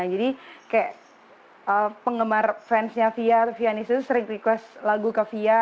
jadi kayak penggemar fansnya fia fianis itu sering request lagu ke fia